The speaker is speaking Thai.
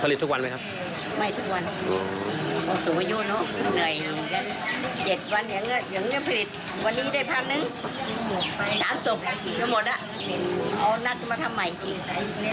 ๓ส่งทุกที่หมดละเอานัดมาทำใหม่